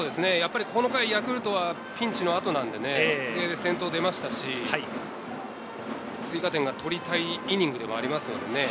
この回、ヤクルトはピンチの後なんでね、先頭でましたし、追加点が取りたいイニングではありますよね。